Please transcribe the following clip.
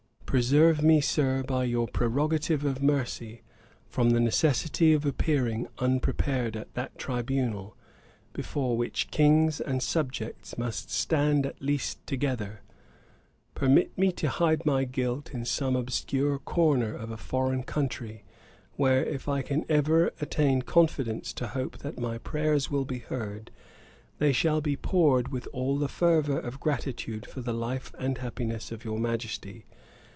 Preserve me, Sir, by your prerogative of mercy, from the necessity of appearing unprepared at that tribunal, before which Kings and Subjects must stand at last together. Permit me to hide my guilt in some obscure corner of a foreign country, where, if I can ever attain confidence to hope that my prayers will be heard, they shall be poured with all the fervour of gratitude for the life and happiness of your Majesty.